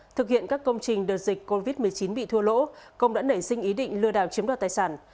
thực hiện các công trình đợt dịch covid một mươi chín bị thua lỗ công đã nảy sinh ý định lừa đảo chiếm đoạt tài sản